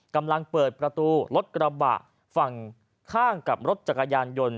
กำลังเปิดประตูรถกระบะฝั่งข้างกับรถจักรยานยนต์